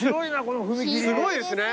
すごいですね。